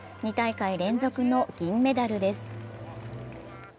２大会連続の銀メダルです。